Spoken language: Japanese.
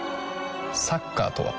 サッカーとは？